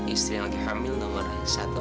istri yang lagi hamil nomor satu